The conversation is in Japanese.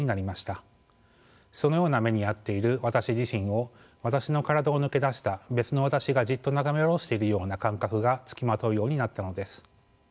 そのような目に遭っている私自身を私の体を脱け出した別の私がじっと眺め下ろしているような感覚が付きまとうようになったのです。